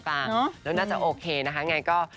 แล้วน่าจะโอเคนะคะ